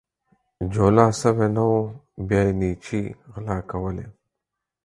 جولا سوى نه وو ، بيا يې نيچې غلا کولې.